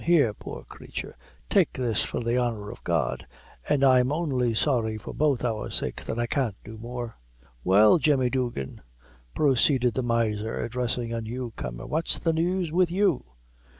Here, poor creature, take this for the honor of God: an' I'm only sorry, for both our sakes, that I can't do more." "Well, Jemmy Duggan," proceeded the miser, addressing a new comer, "what's the news wid you?